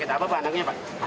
apa pak anaknya pak